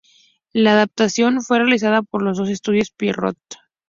La adaptación fue realizada por los estudios Pierrot.